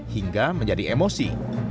hingga menjadi emosi